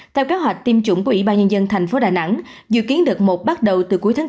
theo kế hoạch tiêm chủng của ủy ban nhân dân tp đà nẵng dự kiến được một bắt đầu từ cuối tháng bốn